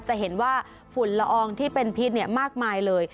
จะเห็นว่าฝุ่นละอองที่เป็นพิษมากมายเลย